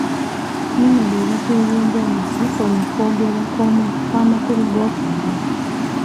Nnyonnyola ebintu eby'enjawulo ebikola okwogera okw'amakulu g'okwogera